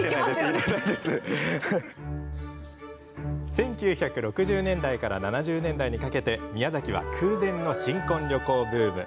１９６０年代から７０年代にかけて宮崎は空前の新婚旅行ブーム。